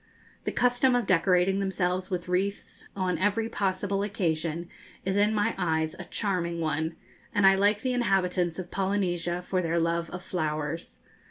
The custom of decorating themselves with wreaths on every possible occasion is in my eyes a charming one, and I like the inhabitants of Polynesia for their love of flowers.